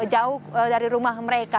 jauh dari rumah mereka